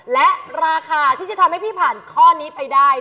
และราคาที่จะทำให้พี่ผ่านข้อนี้ไปได้